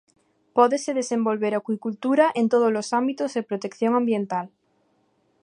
"Pódese desenvolver acuicultura en todos os ámbitos de protección ambiental".